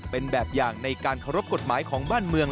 เป็นแบบอย่างในการเคารพกฎหมายของบ้านเมือง